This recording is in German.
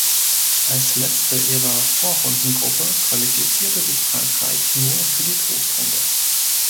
Als Letzte ihrer Vorrundengruppe qualifizierte sich Frankreich nur für die Trostrunde.